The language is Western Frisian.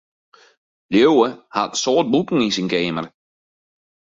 Liuwe hat in soad boeken yn syn keamer.